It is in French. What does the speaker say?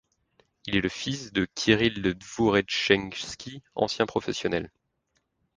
Il est le fils de Kirill Dvouretchenski, ancien professionnel.